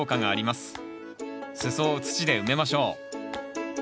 裾を土で埋めましょう。